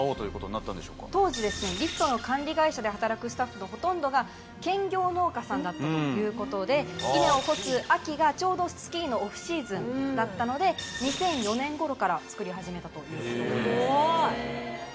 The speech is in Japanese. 当時リフトの管理会社で働くスタッフのほとんどが兼業農家さんだったということで稲を干す秋がちょうどスキーのオフシーズンだったので２００４年頃から作り始めたということなんです。